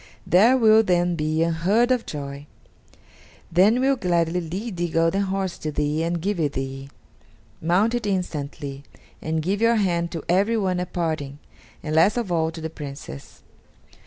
There will then be unheard of joy; they will gladly lead the golden horse to thee and give it thee. Mount it instantly, and give your hand to everyone at parting, and last of all to the Princess.